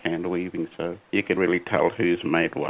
anda bisa melihat siapa yang membuat apa